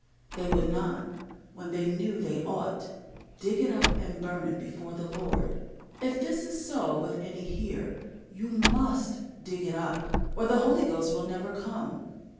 They would not, when they knew they ought, dig it up and burn it before the Lord. If this is so with any here, you must dig it up, or the Holy Ghost will never come.